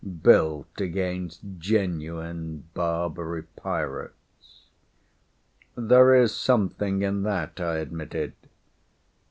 built against genuine Barbary pirates."_ _"There's something in that" I admitted.